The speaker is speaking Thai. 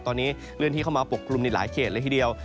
ตอนนี้เลื่อนที่เข้ามาปกกลุ่มในหลายเขตเลยทีเดียว